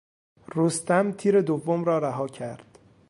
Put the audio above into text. رستم تیر دوم را رها کرد.